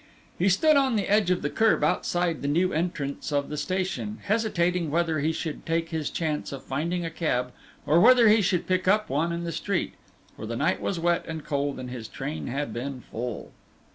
He stood on the edge of the curb outside the new entrance of the station, hesitating whether he should take his chance of finding a cab or whether he should pick up one in the street, for the night was wet and cold and his train had been full.